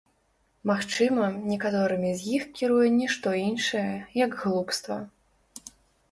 Магчыма, некаторымі з іх кіруе ні што іншае, як глупства.